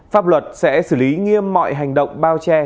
pháp luật sẽ xử lý nghiêm mọi hành động bao che